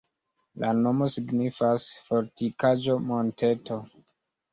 La nomo signifas: fortikaĵo-monteto.